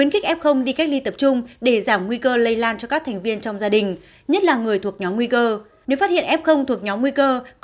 chiến dịch này bao gồm nhiều hoạt động